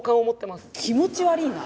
気持ち悪ぃな。